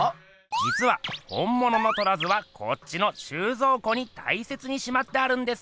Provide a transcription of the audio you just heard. じつは本ものの「虎図」はこっちの収蔵庫にたいせつにしまってあるんです。